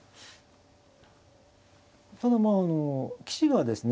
ただまあ棋士がですね